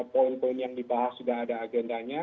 poin poin yang dibahas sudah ada agendanya